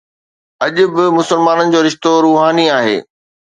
اڄ به مسلمانن جو رشتو روحاني آهي.